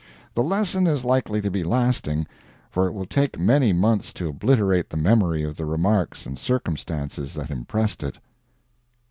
The lesson is likely to be lasting, for it will take many months to obliterate the memory of the remarks and circumstances that impressed it.